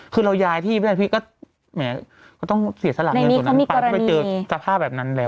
คือเราย้ายที่ไม่ได้พี่ก็แหมก็ต้องเสียสละเงินตรงนั้นไปเพราะไปเจอสภาพแบบนั้นแล้ว